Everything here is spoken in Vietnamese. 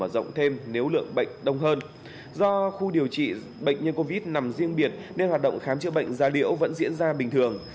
do khu điều trị bệnh nhân covid nằm riêng biệt nên hoạt động khám chữa bệnh gia liễu vẫn diễn ra bình thường